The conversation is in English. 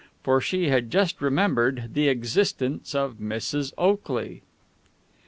For she had just remembered the existence of Mrs. Oakley.